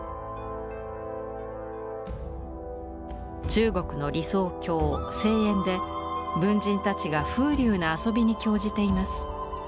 中国の理想郷「西園」で文人たちが風流な遊びに興じています。